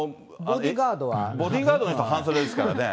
でもボディーガードの人は半袖ですからね。